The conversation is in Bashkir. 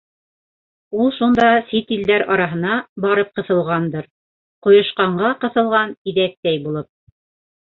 Ул шунда сит илдәр араһына барып ҡыҫылғандыр, ҡойошҡанға ҡыҫылған тиҙәктәй булып.